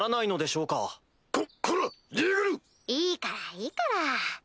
いいからいいから。